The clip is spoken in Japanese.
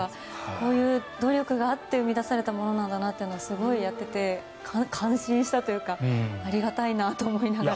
こういう努力があって生み出されたものなんだなというのはすごい、やっていて感心したというかありがたいなと思いながら。